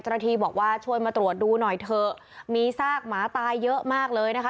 เจ้าหน้าที่บอกว่าช่วยมาตรวจดูหน่อยเถอะมีซากหมาตายเยอะมากเลยนะคะ